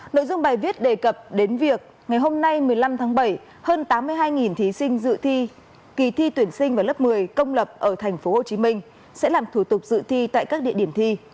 nội dung bài viết đề cập đến việc ngày hôm nay một mươi năm tháng bảy hơn tám mươi hai thí sinh dự thi kỳ thi tuyển sinh vào lớp một mươi công lập ở tp hcm sẽ làm thủ tục dự thi tại các địa điểm thi